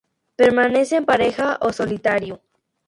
Permanece en pareja o solitario.